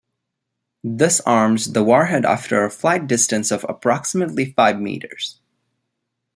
This arms the warhead after a flight distance of approximately five meters.